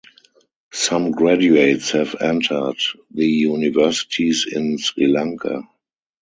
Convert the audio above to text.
Some graduates have entered the Universities in Sri Lanka.